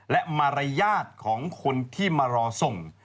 และมารยาทของคนที่มารอส่ง